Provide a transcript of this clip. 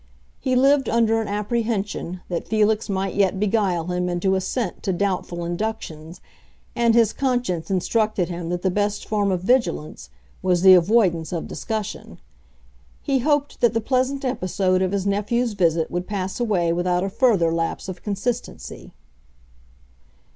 He lived under an apprehension that Felix might yet beguile him into assent to doubtful inductions, and his conscience instructed him that the best form of vigilance was the avoidance of discussion. He hoped that the pleasant episode of his nephew's visit would pass away without a further lapse of consistency.